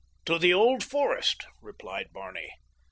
"To the Old Forest," replied Barney.